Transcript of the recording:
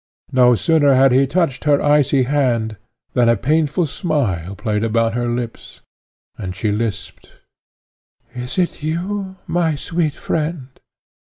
No sooner had he touched her icy hand, than a painful smile played about her lips, and she lisped, "Is it you, my sweet friend?